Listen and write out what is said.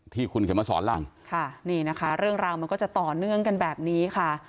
ที่คุณเขียนมาสอนรังค่ะนี่นะคะเรื่องราวมันก็จะต่อเนื่องกันแบบนี้ค่ะ